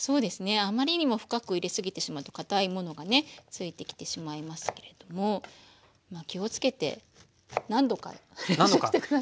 あまりにも深く入れすぎてしまうとかたいものがねついてきてしまいますけれども気をつけて何度か練習して下さい。